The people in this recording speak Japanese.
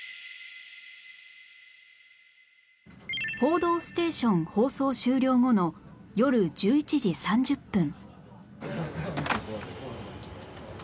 『報道ステーション』放送終了後の夜１１時３０分